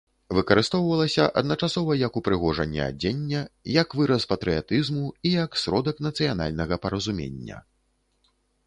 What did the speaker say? Выкарыстоўвалася адначасова як упрыгожанне адзення, як выраз патрыятызму і як сродак нацыянальнага паразумення.